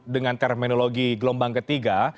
dengan terminologi gelombang ketiga